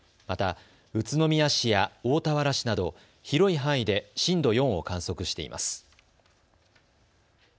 また、宇都宮市や大田原市など広い範囲で震度４を観測しています。